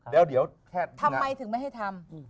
เดี๋ยวทำไมถึงไม่ให้ทำ